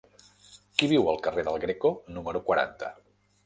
Qui viu al carrer del Greco número quaranta?